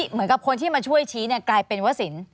เหมือนกับคนที่มาช่วยชี้กลายเป็นว่าสิน